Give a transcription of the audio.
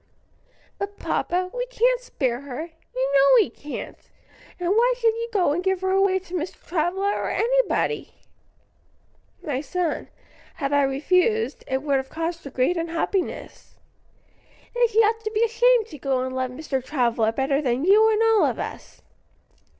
"But, papa, we can't spare her you know we can't and why should you go and give her away to Mr. Travilla or anybody?" "My son, had I refused, it would have caused her great unhappiness." "Then she ought to be ashamed to go and love Mr. Travilla better than you and all of us."